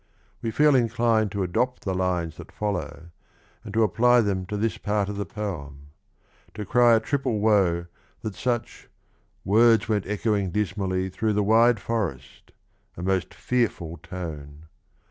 We feel inclined to adopt the lines that follow and to apply them to this part of the poem : to cry a triple woe that such words went echoing dismally Through the wide forest — a most fearful tone.